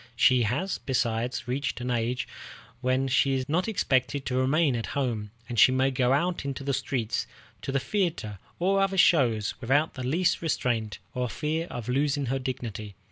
She has, besides, reached an age when she is not expected to remain at home, and she may go out into the streets, to the theatre, or other shows, without the least restraint or fear of losing her dignity.